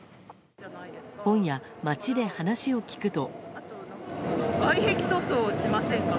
今夜、街で話を聞くと。